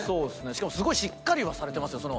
しかもすごいしっかりはされてますよ。